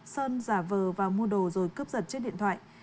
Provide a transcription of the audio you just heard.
sơn giả vờ vào mua đồ rồi cướp giật chiếc điện thoại